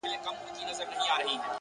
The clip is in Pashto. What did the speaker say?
نیکي د انسان تر غیابه هم خبرې کوي.